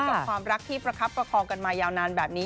กับความรักที่ประคับประคองกันมายาวนานแบบนี้